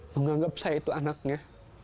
menganggap saya itu anaknya